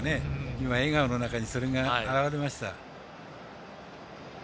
今、笑顔の中にそれが表れました。